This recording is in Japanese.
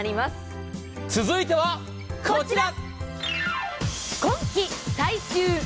続いてはこちら！